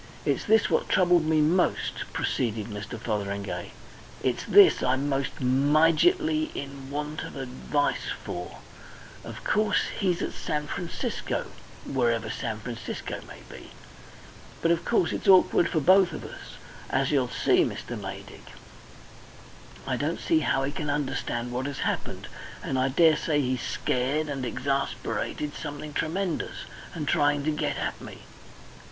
"It's this what troubled me most," proceeded Mr. Fotheringay; "it's this I'm most mijitly in want of advice for; of course he's at San Francisco wherever San Francisco may be but of course it's awkward for both of us, as you'll see, Mr. Maydig. I don't see how he can understand what has happened, and I daresay he's scared and exasperated something tremendous, and trying to get at me.